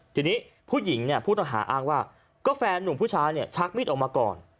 ทีนี้ผู้หญิงเนี่ยผู้ต้องหาอ้างว่าก็แฟนหนุ่มผู้ชายเนี่ยชักมีดออกมาก่อน